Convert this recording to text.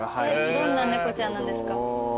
どんな猫ちゃんなんですか？